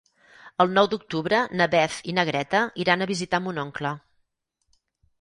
El nou d'octubre na Beth i na Greta iran a visitar mon oncle.